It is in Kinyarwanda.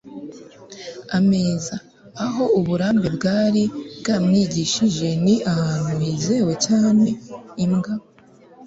ameza, aho uburambe bwari bwamwigishije ni ahantu hizewe cyane. imbwa